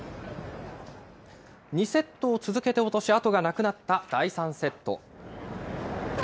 ２セットを続けて落とし、あとがなくなった第３セット。